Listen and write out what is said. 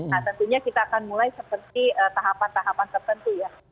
nah tentunya kita akan mulai seperti tahapan tahapan tertentu ya